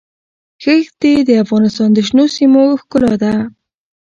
ښتې د افغانستان د شنو سیمو ښکلا ده.